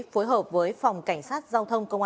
phối hợp với phòng cảnh sát giao thông công an